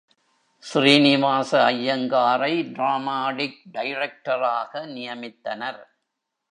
ஸ்ரீனிவாச ஐயங்காரை டிராமாடிக் டைரெக்டராக நியமித்தனர்.